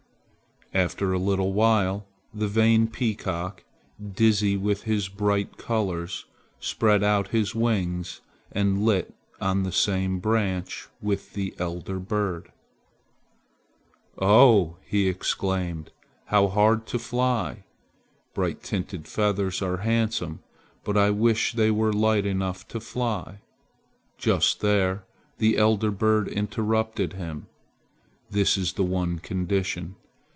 After a little while the vain peacock, dizzy with his bright colors, spread out his wings and lit on the same branch with the elder bird. "Oh!" he exclaimed, "how hard to fly! Brightly tinted feathers are handsome, but I wish they were light enough to fly!" Just there the elder bird interrupted him. "That is the one condition.